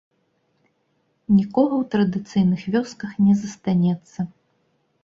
Нікога ў традыцыйных вёсках не застанецца.